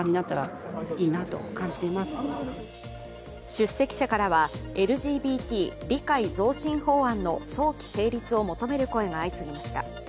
出席者からは、ＬＧＢＴ理解増進法案の早期成立を求める声が相次ぎました。